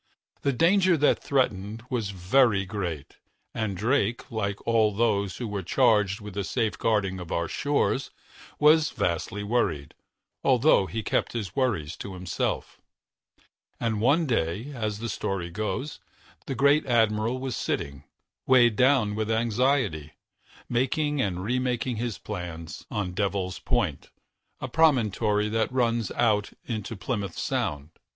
The danger that threatened was very great, and Drake, like all of those who were charged with the safeguarding of our shores, was vastly worried, although he kept his worries to himself. And one day, as the story goes, the great admiral was sitting, weighed down with anxiety, making and remaking his plans, on Devil's Point, a promontory that runs out into Plymouth Sound.